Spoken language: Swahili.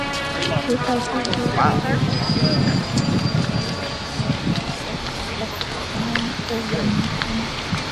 shuka hizi huweza kuwa na rangi tofauti tofauti japo katika sehemu kubwa ni nyekundu